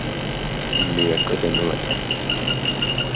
Мҩакы данылахьан.